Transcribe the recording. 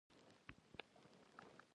موږ مېلې او لمانځنې هم د عوامو کلتور ګڼو.